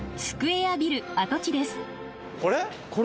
スクエアビル？